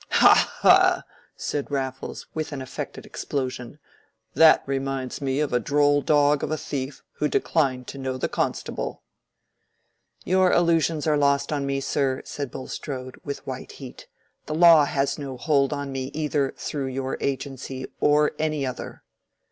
"Ha, ha!" said Raffles, with an affected explosion, "that reminds me of a droll dog of a thief who declined to know the constable." "Your allusions are lost on me sir," said Bulstrode, with white heat; "the law has no hold on me either through your agency or any other."